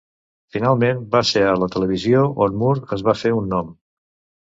Finalment, va ser a la televisió on Moore es va fer un nom.